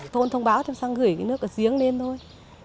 thôn thông báo cho sang gửi cái nước ở riêng lên thôi